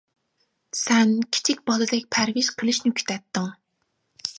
سەن كىچىك بالىدەك پەرۋىش قىلىشنى كۈتەتتىڭ.